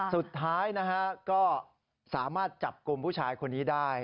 สุดท้ายนะฮะก็สามารถจับกลุ่มผู้ชายคนนี้ได้